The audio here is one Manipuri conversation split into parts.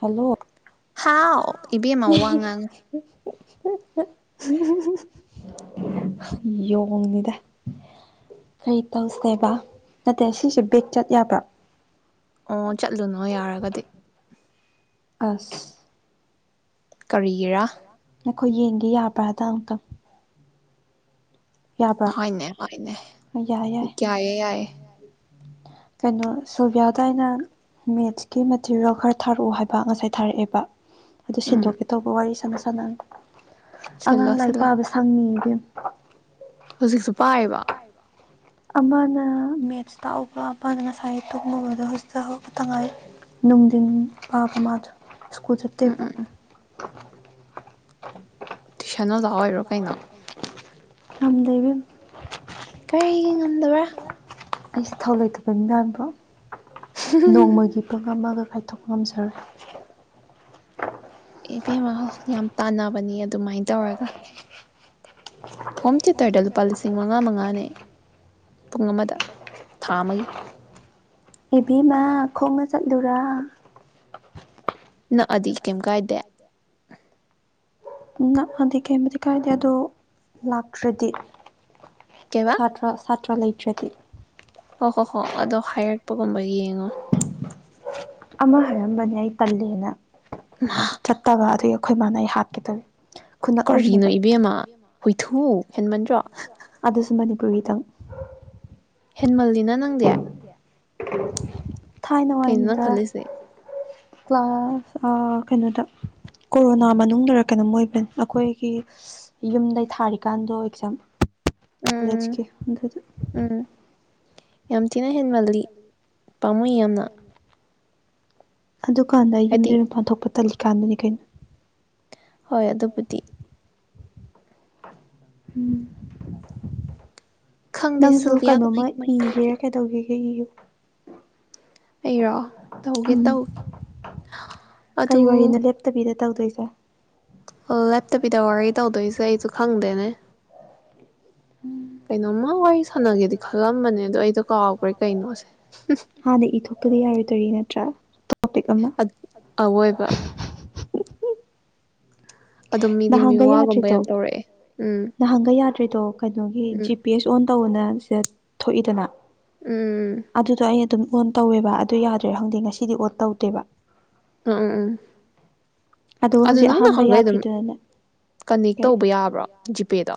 ꯍꯜꯂꯣ ꯍꯥꯎ ꯏꯕꯦꯝꯃ ꯋꯥꯉꯥꯡ [inaudible] [inaudible] ꯌꯣꯡꯅꯤꯗ ꯀꯔꯤ ꯇꯧꯁꯦꯕ ꯅꯠꯇꯦ ꯁꯤꯁꯦ ꯕꯦꯛ ꯆꯠ ꯌꯥꯕ꯭ꯔꯥ ꯑꯣ ꯆꯠꯂꯨꯅꯣ ꯌꯥꯔꯒꯗꯤ ꯑꯁ ꯀꯔꯤꯒꯤꯔꯥ [inaudible] ꯅꯈꯣꯏ ꯌꯦꯡꯒꯦ ꯌꯥꯕ꯭ꯔꯥꯗꯥꯡ ꯑꯨꯛꯇꯪ ꯍꯣꯏꯅꯦ ꯍꯣꯏꯅꯦ ꯌꯥꯏ ꯌꯥꯏ ꯌꯥꯏꯌꯦ ꯌꯥꯏꯌꯦ ꯀꯩꯅꯣ ꯁꯤꯜꯕꯤꯌꯥꯗ ꯑꯩꯅ ꯃꯦꯠꯁꯀꯤ ꯃꯦꯇ꯭ꯔꯔꯤꯌꯦꯜ ꯈꯔ ꯊꯥꯔꯛꯑꯣ ꯍꯥꯏꯕ ꯉꯁꯥꯏ ꯊꯥꯔꯛꯑꯦꯕ ꯑꯗꯨ ꯎꯝ ꯁꯤꯟꯗꯣꯛꯀꯦ ꯇꯧꯕ ꯋꯥꯔꯤ ꯁꯥꯟꯅ [unintelligible] ꯑꯉꯥꯡ ꯁꯤꯜꯂꯣ ꯂꯥꯏꯔꯤꯛ ꯁꯤꯜꯂꯣ ꯄꯥꯕ ꯁꯪꯉꯤ ꯏꯕꯦꯝ [inaudible] ꯍꯧꯖꯤꯛꯁꯨ ꯄꯥꯔꯤꯕꫭ ꯑꯃꯅ ꯃꯦꯠꯁ ꯇꯥꯛꯎꯕ ꯑꯃꯅ ꯉꯁꯥꯏ ꯇꯨꯝꯃꯨꯕꯗꫭ ꯍꯧꯖꯤꯛꯄꯇ ꯍꯧꯇꯥ ꯉꯥꯏꯔꯤ ꯅꯨꯡꯊꯤꯟ ꯄꯥꯕ ꯃꯥꯗꫭ ꯁ꯭ꯀꯨꯜ ꯎꯝ ꯆꯠꯇꯦꯕ ꯎꯝ ꯎꯝ ꯇꯨꯏꯁꯟ ꯑꯣꯖꯥ ꯊꯨꯏꯁꯟ ꯑꯣꯏꯔꯣ ꯀꯩꯅꯣ ꯑꫭꯖ ꯑꫭꯏꯔꫭ ꯀꯩꯅꫭ ꯉꯝꯗ꯭ꯔꯦ ꯏꯕꯦꯝꯃꯥ ꯀꯔꯤꯒꯤ ꯉꯝꯗꯕ꯭ꯔꯥ ꯑꯩꯁ ꯊꯧ ꯂꯩꯇꯕ ꯃꯤ ꯃꯥꯅꯕ꯭ꯔꯣ ꯅꯣꯡꯃꯒꯤ [unintelligible] [unintelligible] ꯉꯝꯖꯔꯦ ꯏꯕꯦꯝꯃ ꯌꯥꯝ ꯇꯥꯟꯅꯕꯅꯤ ꯑꯗꯨꯃꯥꯏꯅ ꯇꯧꯔꯒ ꯍꯣꯝ ꯊꯤꯌꯦꯇꯔꯗ ꯂꯨꯄꯥ ꯂꯤꯁꯤꯡ ꯃꯉꯥ ꯃꯉꯥꯅꯤ ꯄꯨꯡ ꯑꯃꯗ ꯊꯥ ꯑꯃꯒꯤ ꯏꯕꯤꯦꯝꯃ ꯈꯣꯡꯅ ꯆꯠꯂꯨꯔ ꯅꯥꯑꯗꯤ ꯀꯥꯏꯗꯦ ꯅꯛꯑꯗꯤ ꯀꯩꯃꯗꯤ ꯀꯥꯏꯗꯦ ꯑꯗꯣ ꯂꯥꯛꯇ꯭ꯔꯗꯤ ꯀꯩꯕꯥ ꯁꯇ꯭ꯔ [unintelligible] ꯂꯩꯇ꯭ꯔꯗꯤ ꯍꯣꯏ ꯍꯣ ꯍꯣ ꯑꯗꯣ ꯍꯥꯏꯔꯛꯄꯒꯨꯝꯕ ꯌꯦꯡꯉꯣ ꯑꯃ ꯍꯥꯏꯔꯝꯕꯅꯦ ꯑꯩ ꯇꯜꯂꯦꯅ ꯆꯠꯇꯕ ꯑꯩꯈꯣꯏ ꯃꯥꯥꯟ ꯑꯩ ꯍꯥꯠꯀꯦ ꯗꯧꯔꯤ ꯀꯔꯤꯅꯣ ꯏꯕꯦꯝꯃ ꯍꯨꯏꯊꯨ ꯍꯦꯟꯃꯟꯗ꯭ꯔꯣ [unintelligible] ꯍꯦꯟꯃꯟ ꯁꯤꯅ ꯅꯪꯗꯤ [inaudible] ꯊꯥꯏꯅ ꯀꯩꯅꯣ ꯅꯪ ꯋꯥꯅꯤꯗ ꯈꯜꯂꯤꯁꯦ ꯀ꯭ꯂꯥꯁ ꯀꯩꯅꯣꯗ ꯀꯣꯔꯣꯅꯥ ꯃꯅꯨꯡꯗꯔ ꯀꯩꯅꯣꯝ ꯃꯣꯏꯕ ꯑꯩꯈꯣꯏꯒꯤ ꯌꯨꯝꯗꯩ ꯊꯥꯔꯤꯀꯥꯟꯗꯣ ꯑꯦꯛꯖꯥꯝ ꯎꯝ ꯀꯂꯦꯖꯀꯤ ꯑꯗꯨꯒꯤ ꯎꯝ ꯌꯥꯝ ꯊꯤꯅ ꯍꯦꯟꯃꯜꯂꯤ ꯄꯥꯝꯃꯣꯏ ꯌꯥꯝꯅ ꯑꯗꯨꯀꯥꯟꯗ ꯑꯩ ꯍꯥꯏꯗꯤ ꯌꯨꯝꯗꯒꯤ ꯃꯥꯄꯥꯟ ꯊꯣꯛꯄ ꯇꯜꯂꯤ ꯀꯥꯟꯕꯅꯤ ꯀꯩꯅꯣ ꯍꯣꯏ ꯑꯗꯨꯕꯨꯗꯤ ꯎꯝ ꯈꯪꯗꯦ ꯅꯪꯁꯨ ꯁꯤꯜꯚꯤꯌꯥ ꯀꯃꯥꯏ ꯀꯩꯅꯣꯝꯃ ꯀꯃꯥꯏꯅ ꯏꯒꯦ ꯇꯧꯔꯤꯒꯦ ꯀꯩꯗꯧꯒꯦ ꯍ ꯑꯩꯔꯣ ꯇꯧꯒꯦ ꯎꯝ ꯇꯧꯒꯦ ꯑꯗꯨ ꯀꯔꯤ ꯋꯥꯔꯤꯅꯣ ꯂꯦꯞꯇꯕꯤꯗ ꯇꯧꯗꯣꯏꯁꯦ ꯂꯦꯞꯇꯕꯤꯗ ꯋꯥꯔꯤ ꯇꯧꯗꯣꯏꯁꯦ ꯑꯩꯁꯨ ꯈꯪꯗꯦꯅꯦ ꯀꯩꯅꯣꯃ ꯋꯥꯔꯤꯁ ꯁꯥꯟꯅꯒꯦꯗꯤ ꯈꯜꯂꯝꯕꯅꯦ ꯑꯗꯣ ꯑꯩꯗꯣ ꯀꯥꯎꯈ꯭ꯔꯦ ꯀꯩꯅꯣꯁꯦ ꯍꯥꯟꯅ ꯏꯊꯣꯛꯄꯗꯤ ꯌꯥꯔꯣꯏꯗꯧꯔꯤ ꯅꯠꯇ꯭ꯔꯥ ꯇꯣꯄꯤꯛ ꯑꯃ ꯑꯋꯣꯏꯕ ꯑꯗꯨꯝ ꯃꯤꯗꯤ ꯅꯍꯥꯟꯒꯩ ꯃꯤꯋꯥꯒꯨꯝꯕ ꯌꯥꯗ꯭ꯔꯤꯗꯣ ꯌꯥꯝ ꯇꯧꯔꯛꯑꯦ ꯎꯝ ꯅꯍꯥꯟꯒꯩ ꯌꯥꯗ꯭ꯔꯤꯗꯣ ꯀꯩꯅꯣꯒꯤ ꯎꯝ ꯖꯤ ꯄꯤ ꯑꯦꯁ ꯑꯣꯟ ꯇꯧꯑꯣꯅ ꯊꯣꯛꯏꯗꯅ ꯎꯝ ꯑꯗꯨꯗ ꯑꯩ [unintelligible] ꯑꯗꯨꯝ ꯑꯣꯟ ꯇꯧꯋꯦꯕ ꯑꯗꯨ ꯌꯥꯗ꯭ꯔꯦ ꯈꯪꯗꯦ ꯉꯁꯤꯗꯤ ꯑꯣꯟ ꯇꯧꯗꯦꯕ ꯎꯝ ꯎꯝ ꯎꯝ ꯑꯗꯨꯒ ꯑꯗꯨ ꯍꯧꯖꯤꯛ ꯅꯪ ꯑꯍꯥꯟꯕ ꯅꯥꯍꯥꯟꯒꯩ ꯑꯗꯨꯝ ꯌꯥꯗ꯭ꯔꯤꯗꯨꯅꯅꯦ ꯀꯟꯅꯦꯛ ꯀꯩ ꯇꯧꯕ ꯌꯥꯕ꯭ꯔꯣ ꯖꯤꯄꯦꯗꯣ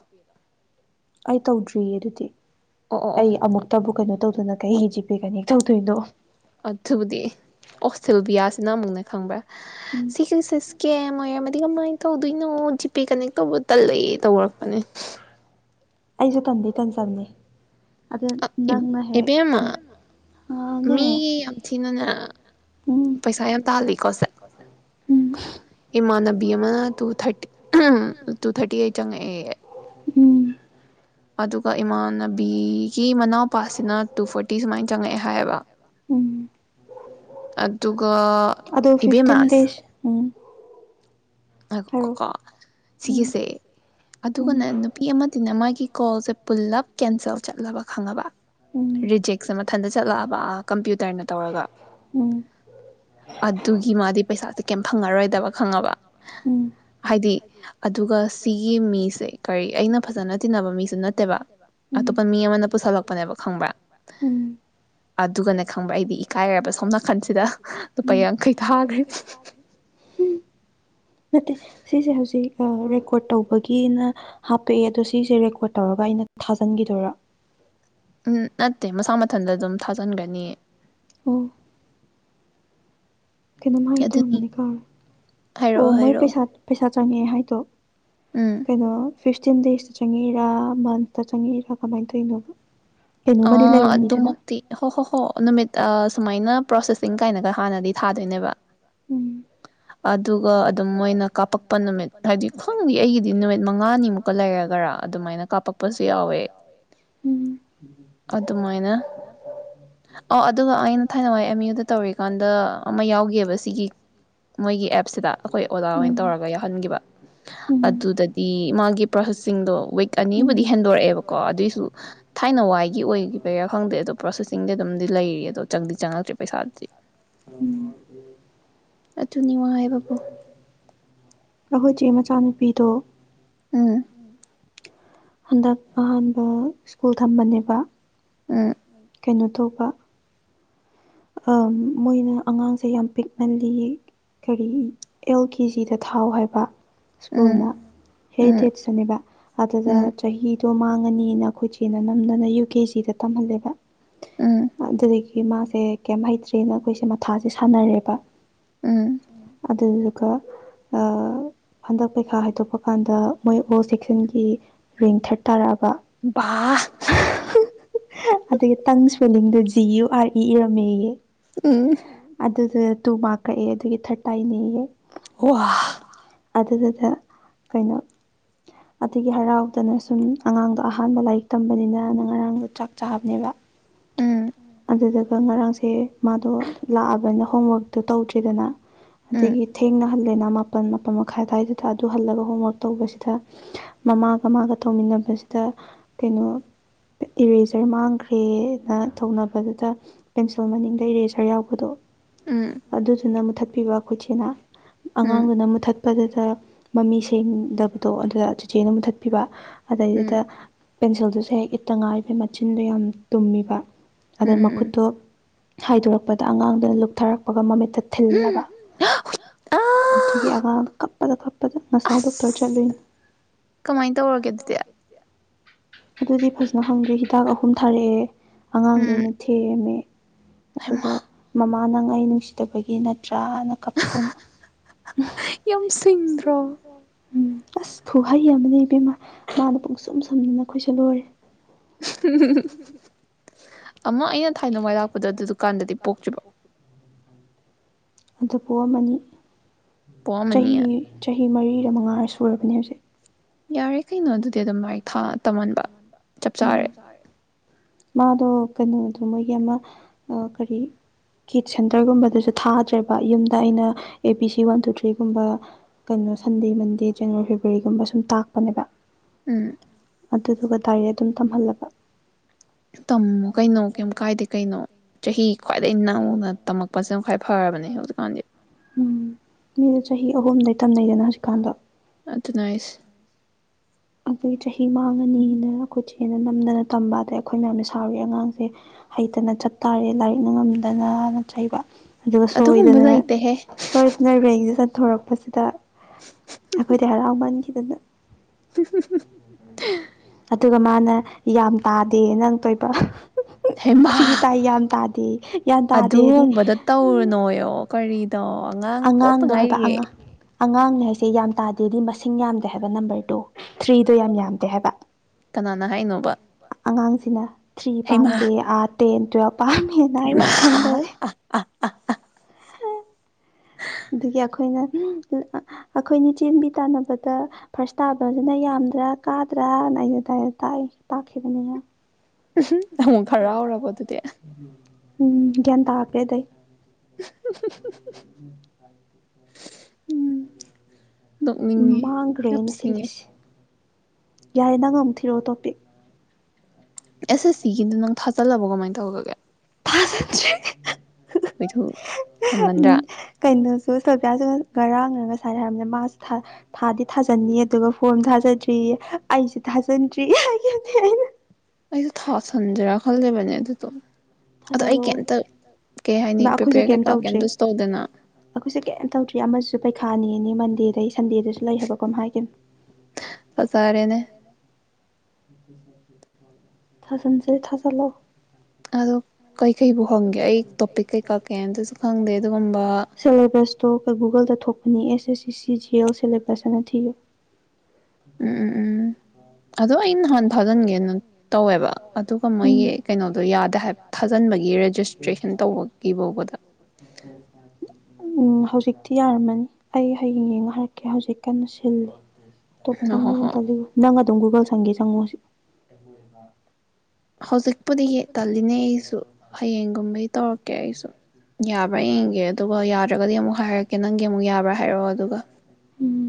ꯑꯩ ꯇꯧꯗ꯭ꯔꯤꯌꯦ ꯑꯗꯨꯗꯤ ꯑꯣ ꯑꯣ ꯑꯣ ꯑꯩ ꯑꯃꯨꯛꯇꯕꯨ ꯀꯩꯅꯣ ꯇꯧ ꯑꯗꯨꯅ ꯀꯩꯒꯤꯖꯤ ꯄꯦ ꯀꯅꯦꯛ ꯇꯧꯗꯣꯏꯅꯣ ꯑꯗꯨꯕꯨꯗꯤ ꯑꯣꯁꯇꯦꯜꯕꯤꯌꯥꯁꯤꯅ ꯑꯃꯨꯛꯅꯦ ꯈꯪꯕ꯭ꯔꯥ ꯎꯝ [unintelligible] ꯀꯃꯥꯏ ꯇꯧꯗꯣꯏꯅꯣ ꯖꯤꯄꯦ ꯀꯅꯦꯛ ꯇꯧꯕ ꯇꯜꯂꯦ ꯇꯧꯔꯛꯄꯅꯦ ꯑꯩꯁꯨ ꯇꯟꯗꯤ [unintelligible] ꯅꯪꯅ ꯍꯦꯛ ꯏꯕꯦꯝꯃ ꯃꯤ ꯍꯥꯎꯅꯦ ꯌꯥꯝ ꯊꯤꯅꯅꯦ ꯎꯝ ꯄꯩꯁꯥ ꯌꯥꯝ ꯇꯥꯜꯂꯤꯀꯣ ꯁꯦ ꯎꯝ ꯏꯃꯥꯟꯅꯕꯤ ꯑꯃꯅ ꯇꯨ ꯊꯥꯔꯇꯤ ꯇꯨ ꯊꯥꯔꯇꯤ ꯑꯩ ꯆꯪꯉꯛꯑꯦꯌꯦ ꯎꯝ ꯑꯗꯨꯒ ꯏꯃꯥꯟꯅꯕꯤꯒꯤ ꯃꯅꯥꯎ ꯄꯥꯁꯁꯤꯅ ꯇꯨ ꯐꯣꯔꯇꯤ ꯁꯨꯃꯥꯏꯅ ꯆꯪꯉꯛꯑꯦ ꯍꯥꯏꯌꯦꯕ ꯎꯝ ꯑꯗꯨꯒ ꯑꯗꯣ ꯏꯕꯦꯝꯃꯥ ꯐꯤꯐꯇꯤꯟ ꯗꯦꯖ ꯎꯝ ꯍꯥꯏꯔꯛꯑꯣ ꯀꯣ ꯎꯝ ꯁꯤꯒꯤꯁꯦ ꯎꯝ ꯑꯗꯨꯒꯅꯦ ꯅꯨꯄꯤ ꯑꯃꯅ ꯃꯥꯒꯤ ꯀꯣꯜꯁꯦ ꯄꯨꯜꯂꯞ ꯀꯦꯟꯁꯦꯜ ꯆꯠꯂꯕ ꯈꯪꯉꯕ ꯎꯝ ꯔꯤꯖꯦꯛꯁꯦ ꯃꯊꯟꯇ ꯆꯠꯂꯛꯑꯕ ꯀꯝꯄ꯭ꯌꯨꯇꯔꯅ ꯇꯧꯔꯒ ꯎꯝ ꯑꯗꯨꯒꯤ ꯃꯥꯗꯤ ꯄꯩꯁꯥꯁꯦ ꯀꯩꯝ ꯐꯪꯉꯔꯣꯏꯗꯕ ꯈꯪꯉꯕ ꯎꯝ ꯍꯥꯏꯗꯤ ꯑꯗꯨꯒ ꯁꯤꯒꯤ ꯃꯤꯁꯦ ꯀꯔꯤ ꯑꯩꯅ ꯐꯖꯅ ꯇꯤꯟꯅꯕ ꯃꯤꯁꯨ ꯅꯠꯇꯦꯕ ꯎꯝ ꯑꯇꯣꯞꯄ ꯃꯤ ꯑꯃꯅ ꯄꯨꯁꯜꯂꯛꯄꯅꯦꯕ ꯈꯪꯕ꯭ꯔꯥ ꯎꯝ ꯑꯗꯨꯒꯅꯦ ꯈꯪꯕ꯭ꯔꯥ ꯑꯩꯗꯤ ꯏꯀꯥꯏꯔꯕ ꯁꯣꯝ ꯅꯥꯀꯟꯁꯤꯗ ꯂꯨꯄꯥ ꯎꯝ ꯌꯥꯡꯈꯩ ꯊꯥꯈ꯭ꯔꯦ ꯅꯠꯇꯦ ꯁꯤꯁꯦ ꯍꯧꯖꯤꯛ ꯔꯦꯀꯣꯔꯠ ꯇꯧꯕꯒꯤꯅ ꯍꯥꯞꯄꯛꯦ ꯑꯗꯣ ꯁꯤꯁꯦ ꯔꯦꯀꯣꯔꯠ ꯇꯧꯔꯒ ꯑꯩꯅ ꯊꯥꯖꯤꯟꯈꯤꯗꯣꯏꯔꯣ ꯎꯝ ꯅꯠꯇꯦ ꯃꯁꯥ [unintelligible] ꯃꯊꯟꯇ ꯑꯗꯨꯝ ꯊꯥꯖꯟꯒꯅꯤ ꯅꯤ ꯑꯣ ꯀꯩꯅꯣꯝ ꯍꯥꯏꯒꯦ ꯑꯗꯨꯅꯤ ꯇꯧꯔꯝꯕꯅꯤ ꯀꯥꯎꯔꯦ ꯑꯣ ꯍꯥꯏꯔꯛꯑꯣ ꯃꯣꯏ ꯍꯥꯏꯔꯛꯑꯣ ꯄꯦꯁꯥ ꯄꯦꯁꯥ꯫ ꯆꯪꯉꯦ ꯍꯥꯏꯗꯣ꯫ ꯎꯝ ꯀꯩꯅꯣ꯫ ꯐꯤꯐꯇꯤꯟ ꯗꯦꯁꯇ ꯆꯪꯉꯛꯏꯔꯥ ꯃꯟꯁꯇ ꯆꯪꯉꯛꯏꯔꯥ ꯀꯃꯥꯏꯅ ꯇꯧꯔꯤꯅꯣꯕ꯫ ꯑ ꯀꯩꯅꯣꯝꯃꯗꯤ ꯑꯗꯨꯃꯛꯇꯤ ꯍꯣ ꯍꯣ ꯍꯣ ꯅꯨꯃꯤꯠ ꯁꯨꯃꯥꯏꯅ ꯄ꯭ꯔꯣꯁꯦꯁ꯫ ꯄ꯭ꯔꯣꯁꯦꯁꯤꯡ ꯀꯥꯏꯅꯒ ꯍꯥꯟꯅꯗꯤ ꯊꯥꯗꯣꯏꯅꯦꯕ ꯎꯝ ꯑꯗꯨꯒ ꯑꯗꯨꯝ ꯃꯣꯏꯅ ꯀꯥꯞꯄꯛꯄ ꯅꯨꯃꯤꯠ ꯍꯥꯏꯗꯤ ꯈꯪꯗꯦ ꯑꯩꯒꯤꯗꯤ ꯅꯨꯃꯤꯠ ꯃꯉꯥꯅꯤꯃꯨꯛꯀ ꯂꯩꯔꯒꯔꯥ ꯑꯗꯨꯃꯥꯏꯅ ꯀꯥꯞꯄꯛꯄꯁꯨ ꯌꯥꯎꯋꯦ ꯎꯝ꯫ ꯑꯗꯨꯃꯥꯏꯅ ꯑꯣ ꯑꯗꯨꯒ ꯑꯩꯅ ꯊꯥꯏꯅꯉꯥꯏ‌꯫ ꯑꯦꯝ ꯌꯨꯗ ꯇꯧꯔꯤꯀꯥꯟꯗ ꯑꯃ ꯌꯥꯎꯒꯤꯕ ꯁꯤꯒꯤ ꯃꯣꯏꯒꯤ ꯑꯦꯞꯁꯤꯗ ꯑꯈꯣꯏ ꯑꯣꯖꯥꯍꫭꯏꯅ ꯇꯧꯔꯒ ꯌꯥꯎꯍꯟꯈꯤꯕ ꯇꯧꯔꯛꯇꯣꯏꯅꯦ ꯑꯗꯨꯗꯗꯤ ꯃꯥꯒꯤ ꯄ꯭ꯔꯣꯁꯦꯁꯤꯡꯗꯣ ꯋꯤꯛ ꯑꯅꯤꯕꯨꯗꯤ ꯍꯦꯟꯗꯣꯔꯛꯑꯦꯕꯀꯣ ꯑꯗꯨꯏꯁꯨ ꯊꯥꯏꯅ ꯋꯥꯏ꯫ ꯒꯤ ꯑꯣꯏꯈꯤꯕꯒꯤꯔ ꯈꯪꯗꯦ ꯑꯗꯣ ꯄ꯭ꯔꯣꯁꯦꯁꯤꯡꯗꯤ ꯑꯗꯨꯝꯗꯤ ꯂꯩꯔꯤ ꯑꯗꯣ ꯆꯪꯗꯤ ꯆꯪꯉꯛꯇ꯭ꯔꯤ꯫ ꯎꯝ [unintelligible] ꯑꯗꯨꯅꯤ ꯋꯥ ꯍꯥꯏꯕꯕꯨ꯫ ꯑꯈꯣꯏꯆꯦ ꯃꯆꯥꯅꯨꯄꯤꯗꯣ꯫ ꯎꯝ꯫ ꯍꯟꯗꯛ ꯑꯍꯥꯟꯕ ꯁ꯭ꯀꯨꯜ ꯊꯝꯕꯅꯦꯕ꯫ ꯎꯝ꯫ ꯀꯩꯅꯣ ꯇꯧꯕ꯫ ꯑ ꯃꯣꯏꯅ ꯑꯉꯥꯡꯁꯦ ꯌꯥꯝ ꯄꯤꯛꯅꯜꯂꯤ ꯀꯔꯤ ꯑꯦꯜ ꯀꯦ ꯖꯤꯗ ꯊꯥꯎ ꯍꯥꯏꯕ꯫ ꯎꯝ ꯁ꯭ꯀꯨꯜꯅ ꯎꯝ ꯍꯦꯔꯤꯇꯦꯖꯇꯅꯦꯕ ꯑꯗꯨꯗ ꯎꯝ ꯆꯍꯤ꯫ ꯑꯗꯨꯣ ꯃꯥꯡꯉꯅꯤꯅ ꯑꯈꯣꯏ ꯆꯦꯅ ꯅꯝꯗꯅ ꯌꯨ ꯀꯦ ꯖꯤꯗ ꯇꯝꯍꯜꯂꯦꯕ꯫ ꯎꯝ ꯑꯗꯨꯗꯒꯤ꯫ [inaudible] ꯀꯩꯝ ꯍꯩꯇ꯭ꯔꯦꯅ ꯑꯈꯣꯏꯁꯦ ꯃꯊꯥꯁꯦ ꯁꯥꯟꯅꯔꯦꯕ꯫ ꯎꯝ꯫ ꯑꯗꯨꯗꯨꯒ ꯑ ꯍꯟꯗꯛ ꯄꯔꯤꯈꯥ ꯍꯥꯏꯗꯣꯛꯄ ꯀꯥꯟꯗ ꯃꯣꯏ ꯑꯣꯜ ꯁꯦꯛꯁꯟꯒꯤ ꯔꯦꯡ ꯊꯔꯠ ꯇꯥꯔꯛꯑꯕ꯫ ꯕꯥ [unintelligible] ꯑꯗꯨꯒꯤ ꯇ ꯏꯁꯋꯦꯂꯤꯡꯗꯨ ꯖꯤ ꯌꯨ ꯑꯥꫪ ꯏ [unintelligible] ꯥ [unintelligible] ꯃꯦ ꯌꯦ ꯎꯝ ꯑꯗꯨꯗ ꯇꯨ ꯃꯥꯔꯛ ꯀꯛꯑꯦ ꯑꯗꯨꯒꯤ ꯊꯔ ꯇꯥꯏꯅꯤꯌꯦ ꯋꯥ ꯑꯗꯨꯗꯨꯗ ꯀꯩꯅꯣ ꯑꯗꯨꯒꯤ ꯍꯔꯥꯎꯗꯅ ꯁꯨꯝ ꯑꯉꯥꯡꯗꯣ ꯑꯍꯥꯟꯕ ꯂꯥꯏꯔꯤꯛ ꯇꯝꯕꯅꯤꯅ ꯅ ꯉꯔꯥꯡꯗꯣ ꯆꯥꯛ ꯆꯥꯕꯅꯦꯕ꯫ ꯎꯝ ꯑꯗꯨꯗ꯫ ꯉꯔꯥꯡꯁꯦ ꯃꯥꯗꯣ ꯂꯥꯛꯑꯕꯅꯤꯅ ꯍꯣꯝꯋꯔꯛꯇꯣ ꯇꯧꯗ꯭ꯔꯦꯗꯅ ꯎꯝ ꯑꯗꯒꯤ ꯊꯦꯡꯅ ꯍꯜꯂꯦꯅ ꯃꯥꯄꯜ ꯃꯥꯄꯜ ꯃꯈꯥꯏ ꯑ ꯑꯗꯨꯋꯥꯏꯗꯨꯗ ꯑꯗꯨ ꯍꯜꯂꯒ ꯍꯣꯝꯋꯥꯔꯛ ꯇꯧꯕꯁꯤꯗ ꯃꯃꯥꯒ ꯃꯥꯒ ꯇꯧꯃꯤꯟꯅꯕꯁꯤꯗ ꯀꯩꯅꯣ ꯏꯔꯦꯖꫪ ꯃꯥꯡꯈ꯭ꯔꯦꯅ ꯇꯧꯅꯕꯗꯨꯗ ꯄꯦꯟꯁꯤꯜ ꯃꯅꯤꯡꯗ ꯏꯔꯦꯁꯥꯔ ꯌꯥꯎꯕꯗꯣ ꯎꯝ ꯑꯗꯨꯗꯨꯅ ꯃꯨꯊꯠ ꯄꯤꯕ ꯈꯨꯣꯁꯤꯅ ꯎꯝ ꯑꯉꯥꯡꯗꯨꯅ ꯃꯨꯊꯠ ꯠꯄꯗꯨꯗ ꯃꯃꯤ ꯁꯦꯡꯗꯕꯗꯣ ꯑꯗꯨꯗ ꯆꯦꯆꯦꯅ ꯃꯨꯊꯠꯄꯤꯕ ꯑꯗꯩꯗꯨꯗ ꯎꯝ ꯄꯦꯟꯁꯤꯜꯗꯨꯁꯨ ꯍꯦꯛ ꯏꯠꯇ ꯉꯥꯏꯕ ꯃꯆꯤꯟꯗꯣ ꯌꯥꯝ ꯇꯨꯝꯃꯤꯕ ꯎꯝ ꯑꯗꯨꯅ ꯎꯝ ꯃꯈꯨꯠꯇꯣ ꯍꯥꯏꯗꯣꯔꯛꯄꯗ ꯑꯉꯥꯡꯗꯨꯅ ꯂꯨꯞꯊꯔꯛꯄꯒ ꯃꯃꯤꯠꯇ ꯊꯤꯜꯂꯒ ꯎꯝ ꯑꯗꯨꯒꯤ ꯑꯥ ꯑꯉꯥꯡꯗ ꯀꯞꯄꯗ ꯀꯞꯄꯗ ꯉꯁꯥꯏ ꯗꯣꯛꯇꯔ ꯆꯠꯂꯨꯅꯤ ꯑꯁ ꯀꯃꯥꯏꯅ ꯇꯧꯔꯒꯦ ꯑꯗꯨꯗꯤ ꯑꯗꯨꯗꯤ ꯐꯖꯅ ꯐꯪꯗꯦ ꯍꯤꯗꯥꯛ ꯑꯍꯨꯝ ꯊꯥꯔꯛꯑꯦ ꯑꯉꯥꯡꯗꯨ ꯎꯝ ꯑꯣꯏꯅ ꯊꯦꯝꯃꯦ ꯍꯩꯃꯥ ꯑꯗꯨꯒ ꯃꯃꯥ ꯃꯃꯥ ꯅꯡ ꯑꯩ ꯅꯨꯡꯁꯤꯗꯕꯒꯤ ꯅꯠ ꯇꯔꯥꯅ ꯀꯞꯇꯅ ꯌꯥꯝ ꯁꯤꯡꯗ꯭ꯔꯣ ꯎꯝ ꯑꯁ ꯐꯨꯍꯩ ꯑꯃꯅꯦ ꯏꯕꯦꯝꯃꯥ ꯃꯥꯅ ꯄꯨꯡꯁꯨꯝ ꯁꯨꯃꯤ [unintelligible] [unintelligible] [inaudible] ꯑꯃ ꯑꯩꯅ [unintelligible] [unintelligible] ꯑꯗꯨ ꯗꯨꯀꯥꯟ ꯗꯨꯀꯥꯟꯗꯤ ꯄꯨꯣ ꯑꯗꯨ ꯄꯣꯛꯑꯃꯅꯤ ꯆꯍꯤ ꯄꯣꯛꯑꯝꯃꯅꯤꯌꯦ ꯆꯍꯤ ꯆꯍꯤ ꯃꯔꯤꯔ ꯃꯉꯥꯔ ꯁꯨꯔꯕꯅꯦ ꯍꯧꯖꯤꯛ ꯌꯥꯔꯦ ꯀꯩꯅꯣ ꯑꯗꯨꯗꯤ ꯑꯗꯨꯝ ꯂꯥꯏꯗꯤ ꯊꯥ ꯇꯝꯍꯟꯕ ꯆꯞ ꯆꯥꯔꯦ ꯃꯥꯗꯣ ꯀꯩꯅꯣꯗꯣ ꯃꯣꯏꯒꯤ ꯑꯃ ꯀꯔꯤ ꯀꯤꯠ ꯁꯦꯟꯇꯔꯒꯨꯝꯕꯗꯨꯁꯨ ꯊꯥꯗ꯭ꯔꯦꯕ ꯌꯨꯝꯗ ꯑꯩꯅ ꯑꯦ ꯄꯤ ꯁꯤ ꯋꯥꯟ ꯇꯨ ꯊ꯭ꯔꯤꯒꯨꯝꯕ ꯀꯩꯅꯣ ꯁꯟꯗꯦ ꯃꯟꯗꯦ ꯖꯅꯋꯥꯔꯤ ꯐꯦꯕꯋꯥꯔꯤꯒꯨꯝꯕ ꯁꯨꯝ ꯇꯥꯛꯄꯅꯦꯕ ꯎꯝ ꯑꯗꯨꯗꯨꯒ ꯇꯗꯥꯔꯦ ꯑꯗꯨꯝ ꯇꯝꯍꯜꯂꯕ ꯇꯝꯃꯣ ꯀꯩꯅꯣ ꯀꯩꯝ ꯀꯥꯏꯗꯦ ꯀꯩꯅꯣ ꯆꯍꯤ ꯈ꯭ꯋꯥꯏꯗꯒꯤ ꯅꯧꯅ ꯇꯝꯃꯛꯄꯁꯤꯅ ꯈ꯭ꯋꯥꯏ ꯐꯔꯕꯅꯦ ꯍꯧꯖꯤꯛꯀꯥꯟꯗꯤ ꯎꯟ ꯃꯤꯁ ꯆꯍꯤ ꯑꯍꯨꯝꯗꯩ ꯇꯝꯅꯩꯗꯅ ꯍꯧꯖꯤꯛꯀꯥꯟꯗꯣ ꯑꯗꯨꯟ ꯑꯩ ꯑꯗꯨꯗꯒꯤ ꯆꯍꯤ ꯃꯥꯡꯉꯅꯤꯅ ꯑꯩꯈꯣꯏ ꯆꯦꯅ ꯅꯝꯗꯅ ꯇꯝꯕ ꯑꯗꯩ ꯑꯩꯈꯣꯏ ꯃꯌꯥꯝꯅ ꯁꯥꯎꯔꯤ ꯑꯉꯥꯡꯁꯦ ꯍꯩꯇꯅ ꯆꯠꯇꯥꯔꯦ ꯂꯥꯏꯔꯤꯛꯅ ꯉꯝꯗꯅꯅ ꯆꯩꯕ ꯑꯗꯨꯒ ꯑꯗꯨꯒꯨꯝꯕ ꯁꯣꯏꯗꯅ ꯂꯩꯇꯦꯍꯦ ꯁꯣꯏꯗꯅ ꯔꯦꯡ ꯆꯟ ꯊꯣꯔꯛꯄꯁꯤꯗ ꯑꯩꯈꯣꯏꯗꯤ ꯍꯥꯔꯧ ꯃꯟꯒꯤ ꯈꯤꯗꯅ [inaudible] ꯑꯗꯨꯒ ꯃꯥꯅ ꯌꯥꯝ ꯇꯥꯗꯦꯅꯪ ꯇꯣꯏꯕ ꯍꯦꯃꯥ ꯊ꯭ꯔꯤ ꯇꯥꯏ ꯌꯥꯝ ꯇꯥꯗꯦ ꯌꯥꯝ ꯇꯥꯗꯦꯗꯤ ꯑꯗꯨꯒꯨꯝꯕꯗꫭ ꯇꯧꯔꯨꯅꯣꯌꯣ ꯀꯔꯤ ꯗ ꯑꯉꯥꯡ ꯄꯣꯛꯇ ꯑꯉꯥꯡꯗꯣ ꯍꯥꯏꯕ ꯉꯥꯏꯔꯤꯌꯦ ꯑꯉꯥꯡ ꯑꯉꯥꯡꯅꯦ ꯍꯥꯏꯁꯦ ꯌꯥꯝ ꯇꯥꯗꯦꯗꯤ ꯃꯁꯤꯡ ꯌꯥꯝꯗꯦ ꯍꯥꯏꯕ ꯅꯝꯕꯔꯗꯣ ꯊ꯭ꯔꯤꯗꯣ ꯌꯥꯝ ꯌꯥꯝꯗꯦ ꯍꯥꯏꯕ ꯀꯅꯥꯅ ꯍꯥꯏꯅꯣꯕ ꯑꯉꯥꯡꯁꯤꯅ ꯊ꯭ꯔꯤ ꯍꯩꯃꯥ ꯄꯥꯝꯗꯦ ꯑꯥꯔꯠ ꯇꯦꯟ ꯇꯨꯋ꯭ꯦꯜꯚ ꯄꯝꯃꯤ [unintelligible] ꯈꯪꯗꯔꯦ ꯑ-ꯑ ꯑꯗꯨꯒꯤ ꯑꯩꯈꯣꯏꯅ ꯑꯩꯈꯣꯏꯅꯤ ꯆꯦꯟꯕꯤ ꯇꯥꯟꯅꯕꯗ ꯐꯥꯔꯁ ꯇꯥꯕꯖꯤꯅ ꯌꯥꯝꯗ꯭ꯔꯥ ꯀꯥꯗ꯭ꯔꯅ ꯑꯩꯩꯅ ꯑꯗꯨꯃꯥꯏꯅ ꯇꯥꯛꯏꯅꯤ ꯇꯥꯛꯈꯤꯕꯅꯤꯉ [inaudible] ꯑꯃꯨꯛ ꯍꯥꯔꯥꯎꯔꯕꯣ ꯑꯗꯨꯗꯤ ꯎꯝ ꯒ꯭ꯌꯥꯟ ꯇꯥꯒ꯭ꯔꯦ ꯑꯗꯩ [inaudible] ꯎꯝ ꯑꯨꯝ ꯅꯣꯛꯅꯤꯡꯉꯤ ꯃꯥꯡꯒ꯭ꯔꯦ ꯌꯥꯝ ꯑꯩꯏꯅ ꯁꯤꯡꯉꯦ ꯁꯤꯜꯂꯤꯁꯤ ꯌꯥꯔꯦ ꯅꯪ ꯑꯃꯨꯛ ꯊꯤꯔꯛꯑꯣ ꯇꯣꯞꯄꯤꯛ ꯑꯦꯁ ꯑꯦꯁ ꯁꯤ ꯒꯤꯗꯣ ꯅꯪ ꯊꯥꯖꯤꯜꯂꯕꯣ ꯀꯃꯥꯏꯅ ꯇꯧꯒ꯭ꯔꯒꯦ ꯇꯥꯖꯟꯗ꯭ꯔꯤ ꯍꯦꯟꯃꯟꯗ꯭ꯔꯥ [inaudible] ꯀꯩꯅꯣꯁꯨ ꯁꯤꯜꯕꯤꯌꯥꯁꯨ ꯉꯔꯥꯡꯅ ꯉꯁꯥꯏꯅ ꯍꯥꯏꯕꯅꯦ ꯃꯥꯁꯨ ꯊꯥ ꯊꯥꯗꯤ ꯊꯥꯖꯟꯅꯤꯡ ꯑꯗꯨꯒ ꯐꯣꯝ ꯊꯥꯖꯗ꯭ꯔꯤꯌꯦ ꯑꯩꯁꯨ ꯊꯥꯖꯟꯗ꯭ꯔꯤ ꯍꯥꯏꯒꯤꯅꯤ ꯑꯩꯅ ꯑꯩꯁꯨ ꯊ ꯁꯟꯖꯤꯔ ꯈꯜ ꯂꯤꯕꯅꯦ ꯑꯥꯗꯨꯗꫭ ꯊꯥꯖꯜꯂꯣ ꯍꯥꯏꯅꯤ ꯏꯃꯥ ꯑꯩꯈꯣꯏꯁꯨꯦ ꯄ꯭ꯔꯤꯄꯦꯌꯔ ꯀꯩꯝ ꯀꯩꯀꯥ ꯇꯧꯗ꯭ꯔꯤ ꯀꯩꯝꯇꯁꯨ ꯇꯧꯗꯅ ꯑꯩꯈꯣꯏꯁꯨꯦ ꯀꯩꯝ ꯇꯧꯗ꯭ꯔꯤ ꯑꯃꯁꯨ ꯄꯩꯈꯥꯅꯦꯅꯦ ꯃꯟꯗꯦ ꯗꯏ ꯁꯟꯗꯦꯗꯁꯨ ꯂꯩ ꯍꯥꯏꯕ ꯀꯝ ꯍꯥꯏꯒꯤꯕꯅꯤ ꯐꯖꯔꯦꯅꯦ ꯊꯖꯥꯟꯖꯦ ꯊꯥꯖꯜꯂꫭ ꯑꯗꯣ ꯀꯩꯀꯩꯕꯨ ꯍꯪꯒꯦ ꯑꯩ ꯇꯣꯄꯤꯛ ꯀꯩꯀꯥ ꯀꯩꯝꯇꯁꯨ ꯈꯪꯗꯦ ꯑꯗꯨꯒꯨꯝꯕ ꯁꯦꯂꯦꯕꯁꯇꯣ ꯒꯨꯒꯜꯗ ꯊꯣꯛꯄꯅꯤ ꯑꯦꯁ ꯑꯦꯁ ꯁꯤ ꯁꯤ ꯆꯤ ꯑꯦꯜ ꯁꯦꯂꯦꯕꯁ ꯑꯅ ꯊꯤꯌꫭ ꯎꯝ ꯎꯝ ꯎꯝ ꯑꯗꯣ ꯑꯩ ꯅꯍꯥꯟ ꯊꯥꯖꯟꯒꯦꯅ ꯇꯧꯋꯦꯕ ꯑꯗꯨꯒ ꯃꯣꯏꯒꯤ ꯀꯩꯅꯣꯗꯣ ꯌꯥꯗꯦ ꯍꯥꯏꯕ ꯊꯥꯖꯟꯕꯒꯤ ꯔꯦꯖꯤꯁꯇ꯭ꯔꯦꯁꯟ ꯇꯧꯕꯒꯤ ꯕꯥꯎꯕꯗ ꯎꯝ ꯍꯧꯖꯤꯛꯇꯤ ꯌꯥꯔꯝꯃꯅꯤ ꯑꯩ ꯍꯌꯦꯡ ꯌꯦꯡꯉꯥ ꯍꯥꯏꯔꯛꯀꯦ ꯍꯧꯖꯤꯛ ꯀꯟꯅ ꯁꯤꯜꯂꯤ ꯇꯣꯞ ꯍꯣ ꯆꯪꯕ ꯌꯥꯝ ꯍꯣ ꯇꯜꯂꯤꯕꫭ ꯅꯪ ꯑ ꯑꯗꯨꯨꯡ ꯒꯨꯒꯜ [unintelligible] ꯆꯪꯉꯣ ꯍꯧꯖꯤꯛꯄꯨꯗꯤꯌꯦ ꯇꯜꯂꯤꯅꯦ ꯑꯩꯁꯨ ꯍꯌꯦꯡꯒꯨꯝꯕꯩ ꯇꯧꯔꯛꯀꯦ ꯑꯩꯁꯨ ꯌꯥꯕ꯭ꯔꯥ ꯌꯦꯡꯒꯦ ꯑꯗꯨꯒ ꯌꯥꯗ꯭ꯔꯒꯗꯤ ꯑꯃꯨꯛ ꯍꯥꯏꯔꯛꯀꯦ ꯅꯪꯒꯤ ꯑꯃꯨꯛ ꯌꯥꯕ꯭ꯔꯥ ꯍꯥꯏꯔꯛꯑꯣ ꯑꯗꯨꯒ ꯎꯝ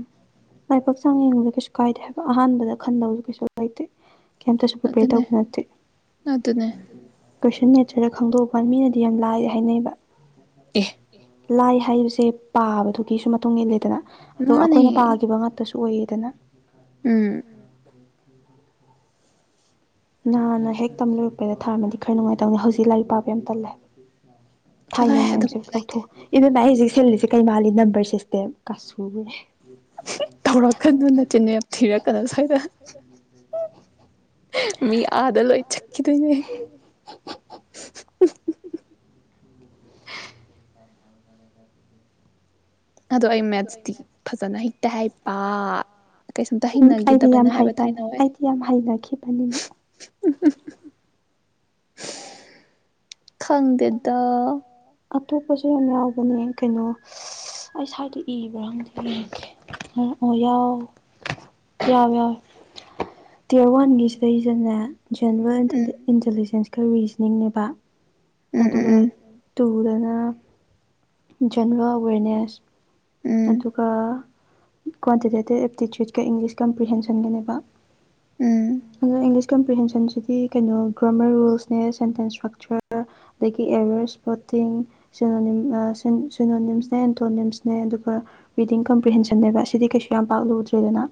ꯂꯥꯏꯕꯛꯆꯥꯡ ꯌꯦꯡꯉꯕꯗ ꯀꯩꯁꯨ ꯀꯥꯏꯗꯦ ꯍꯥꯏꯕ ꯑꯍꯥꯟꯕꯗ ꯈꯟꯗꯕꯁꯨ ꯀꯩꯁꯨ ꯂꯩꯇꯦ ꯀꯩꯝꯇꯁꯨ ꯄꯔꯤꯄꯤꯌꯔ ꯑꯗꯨꯅꯦ ꯇꯧꯕꯁꯨ ꯅꯠꯇꯦ ꯑꯗꯨꯅꯦ [unintelligible] ꯈꯪꯗꯣꯛꯄ ꯃꯤꯅꯗꯤ ꯌꯥꯝ ꯂꯥꯏ ꯍꯥꯏꯅꯩꯕ ꯑꯦ ꯂꯥꯏ ꯍꯥꯏꯕꯁꯦ ꯄꯥꯕꯗꯨꯒꯤꯁꯨ ꯃꯇꯨꯡ ꯏꯜꯂꯦꯗꯅ ꯑꯗꯣ ꯃꯥꯅꯦ ꯑꯩꯈꯣꯏꯅ ꯄꯥꯈꯤꯕ ꯉꯥꯛꯇꯁꯨ ꯑꯣꯏꯌꯦꯗꯅ ꯎꯝ ꯅꯍꯥꯟꯅꯍꯦꯛ ꯇꯝ ꯂꯣꯏꯔꯛꯄꯩꯗ ꯊꯥꯔꯝꯃꯗꯤ ꯈꯔ ꯅꯨꯡꯉꯥꯏꯗꯧꯅꯤ ꯍꯧꯖꯤꯛ ꯂꯥꯏꯔꯤꯛ ꯄꯥꯕ ꯌꯥꯝ ꯇꯜꯂꯦ ꯊꯥꯏꯅꯩ ꯆꯠꯂꯣꯍꯦ ꯃꯌꯥꯝꯁꯦ ꯑꯗꯨꯒꯨꯝꯕ ꯂꯩꯇꯦ ꯀꯥꯎꯊꯣꯛ [unintelligible] ꯁꯤꯜꯂꯤꯁꯦ ꯀꯩ ꯃꯥꯜꯂꯤ ꯅꯝꯕꯔ ꯁꯤꯁꯇꯦꯝ ꯀꯥꯁꯨꯨꯕꯤ ꯇꯧꯔꯛꯀꯅꯨ ꯅꯆꯤꯟ ꯌꯥꯝ ꯊꯤꯔꯛꯀꯅꯨ ꯁ꯭ꯋꯥꯏꯗ [unintelligible] ꯃꯤ ꯑꯥꯗ ꯂꯣꯏ ꯆꯠꯈꯤꯗꯣꯏꯅꯦ [unintelligible] ꯑꯗꯣ ꯑꯩ ꯃꯦꯠꯁꯇꯤ ꯐꯖꯅ ꯍꯩꯇꯦ ꯍꯥꯏꯕ ꯀꯩꯁꯨꯝꯇ ꯎꯝ ꯑꯩꯗꯤ ꯍꯩꯅꯈꯤꯗꯕꯅꯦ ꯌꯥꯝ ꯍꯥꯏꯕ ꯍꯩꯕꯅꯦ ꯊꯥꯏꯅ ꯋꯥꯏ ꯑꯩꯗꯤ ꯌꯥꯝ ꯍꯩꯅꯈꯤꯕꯅꯤꯅ ꯈꯪꯗꯦꯗ ꯑꯇꯣꯞꯄꯁꯨ ꯌꯥꯝ ꯌꯥꯎꯕꯅꯦ ꯀꯩꯅꯣ ꯑꯩ ꯁ꯭ꯋꯥꯏꯗ ꯏꯕ꯭ꯔꯥ ꯈꯪꯗꯦ ꯑꯣ ꯌꯥꯎ ꯌꯥꯎ ꯌꯥꯎꯋꯦ ꯇꯤꯌꯔ ꯋꯥꯟꯒꯤ ꯁꯤꯗꯩꯗꯅꯦ ꯎꯝ [unintelligible] ꯏꯟꯇꯦꯂꯤꯖꯦꯟꯁ [unintelligible] ꯈꯨꯔꯤꯖ ꯅꯦꯕ ꯎꯝ ꯎꯝ ꯑꯗꯨꯒ ꯎꯝ ꯇꯨ ꯇꯨꯗꯅ ꯖꯦꯅꯔꯦꯜ ꯑꯋꯦꯔꯅꯦꯁ ꯎꯝ ꯑꯗꯨꯒ ꯀ꯭ꯋꯥꯟꯇꯤꯇꯦꯇꯤꯞ ꯑꯦꯞꯇꯤꯇ꯭ꯌꯨꯠꯀ ꯏꯪꯂꯤꯁ ꯀꯝꯄ꯭ꯔꯤꯍꯦꯟꯁꯟꯒꯅꯦꯕ ꯎꯝ [unintelligible] ꯏꯪꯂꯤꯁ ꯀꯝꯄ꯭ꯔꯤꯍꯦꯟꯁꯟꯁꯤꯗꯤ ꯀꯩꯅꯣ ꯒ꯭ꯔꯣꯃꯔ ꯔꯨꯜꯁꯅꯦ ꯁꯦꯟꯇꯦꯟꯁ ꯏꯁꯇ꯭ꯔꯛꯆꯔ ꯑꯗꯒꯤ ꯑꯦꯋꯔ ꯁ꯭ꯄꯣꯇꯤꯡ ꯁꯤꯅꯣꯅꯤꯝꯁꯅꯦ ꯑꯦꯟꯊꯣꯅꯤꯝꯁꯅꯦ ꯑꯗꯨꯒ ꯔꯤꯗꯤꯡ ꯀꯝꯄꯤꯍꯁꯟꯅꯕ ꯁꯤꯗꯤ ꯀꯩꯁꯨ ꯌꯥꯝ ꯄꯥꯛꯂꯨꯗ꯭ꯔꯦꯗꯅ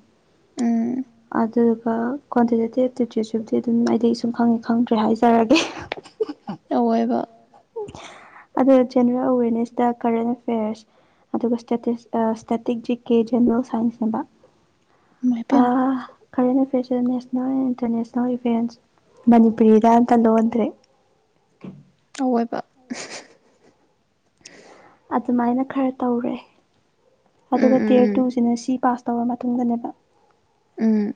ꯎꯝ ꯑꯗꯨꯗꯨꯒ ꯀ꯭ꯋꯥꯟꯇꯤꯇꯦꯇꯤꯞ ꯇꯤꯆꯔꯁꯤꯕꯨꯗꯤ ꯑꯗꯨꯝ ꯑꯩꯗꯤ ꯁꯨꯝ ꯈꯪꯉꯦ ꯈꯪꯗ꯭ꯔꯦ ꯍꯥꯏꯖꯔꯒꯦ ꯑꯑꯣꯏꯕ ꯑꯗꯣ ꯖꯦꯅꯔꯦꯜ ꯑꯋꯦꯔꯅꯦꯁꯇ ꯀꯔꯦꯟ ꯑꯦꯐꯦꯌꯔꯁ ꯑꯗꯨꯒ ꯁ꯭ꯇꯦꯇꯤꯁ ꯇ static G K general ꯁꯥꯏꯟꯁꯅꯦꯕ [unintelligible] current ꯏꯐꯦꯌꯠꯁꯤꯗ ꯅꯦꯁꯅꯦꯜ ꯑꯦꯟ ꯏꯟꯇꯔꯅꯦꯁꯅꯦꯜ ꯏꯚꯦꯟꯁ ꯃꯅꯤꯄꯨꯔꯤꯗ ꯑꯝꯇ ꯂꯣꯟꯗ꯭ꯔꯦ ꯑꯣꯏꯕ ꯑꯗꯨꯃꯥꯏꯅ ꯈꯔ ꯇꯧꯔꯦ ꯎꯝ ꯑꯗꯨꯒ ꯎꯝ ꯇꯤꯌꯔ ꯎꯝ ꯇꯨꯁꯤꯅ ꯁꯤ ꯄꯥꯁ ꯇꯧꯔꯕ ꯃꯇꯨꯡꯗꯅꯦꯕ ꯎꯝ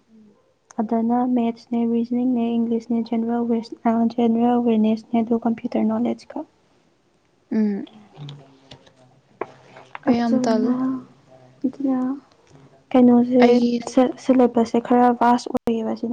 ꯑꯗꯨꯅ ꯃꯦꯠꯁꯅꯦ ꯔꯤꯖꯅꯤꯡꯅꯦ ꯏꯪꯂꯤꯁꯅꯦ ꯖꯦꯅꯔꯦꯜꯋ ꯖꯦꯅꯔꯦꯜ ꯑꯋꯦꯔꯅꯦꯁꯅꯦ ꯑꯗꯨꯒ ꯀꯝꯄ꯭ꯌꯨꯇꯔ ꯅꯣꯂꯦꯖꯀ ꯎꯝ [inaudible] ꯑꯩ ꯌꯥꯝ ꯇꯜꯂꯦ ꯑꯗꯨꯅ ꯑꯗꯨꯅ ꯀꯩꯅꯣꯁꯦ ꯑꯩꯒꯤꯁꯦ ꯁꯤꯂꯦꯕꯁ ꯈꯔꯥ ꯕꯁ ꯑꯣꯏꯒꯤꯕ ꯁꯤꯅ